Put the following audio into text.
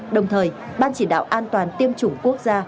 đồng thời ban chỉ đạo an toàn tiêm chủng quốc gia